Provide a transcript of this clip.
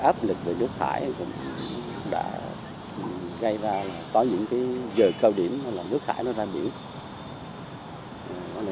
do áp lực của nước thải có những dời cao điểm nước thải ra biển